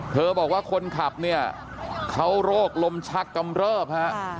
เธอบอกว่าคนขับเขารโรคลมชักกำเริบครับ